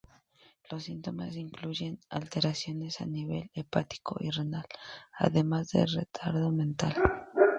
Los síntomas incluyen alteraciones a nivel hepático y renal, además de retardo mental.